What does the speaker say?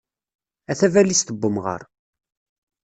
A tabalizt n umɣar.